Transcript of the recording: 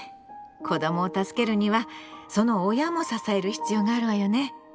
子どもを助けるにはその親も支える必要があるわよね。